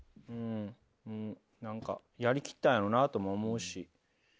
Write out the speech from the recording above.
何かやりきったんやろなとも思うし。